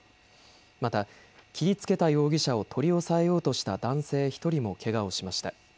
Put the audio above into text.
また切りつけた容疑者を取り押さえようとした男性１人もけがをしました。